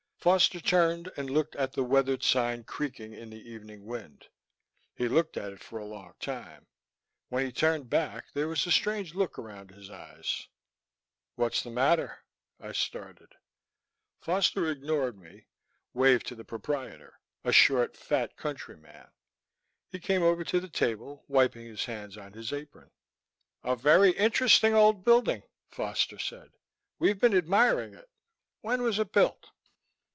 Foster turned and looked out at the weathered sign creaking in the evening wind. He looked at it for a long time. When he turned back, there was a strange look around his eyes. "What's the matter ?" I started. Foster ignored me, waved to the proprietor, a short fat country man. He came over to the table, wiping his hands on his apron. "A very interesting old building," Foster said. "We've been admiring it. When was it built?"